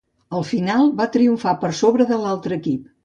Al final, van triomfar per sobre de l"altre equip.